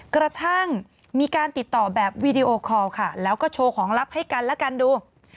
กระทั่งมีการติดต่อแบบวีดีโอคอลค่ะแล้วก็โชว์ของลับให้กันแล้วกันดู